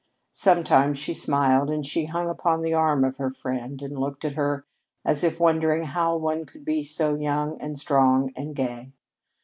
Sometimes she smiled; and she hung upon the arm of her friend and looked at her as if wondering how one could be so young and strong and gay.